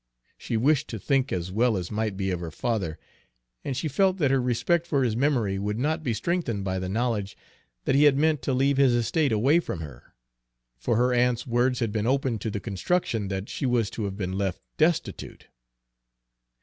She wished to think as well as might be of her father, and she felt that her respect for his memory would not be strengthened by the knowledge that he had meant to leave his estate away from her; for her aunt's words had been open to the construction that she was to have been left destitute.